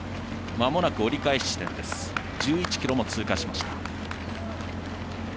まもなく折り返し地点１１ｋｍも通過しました。